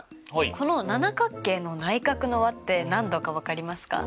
この七角形の内角の和って何度か分かりますか？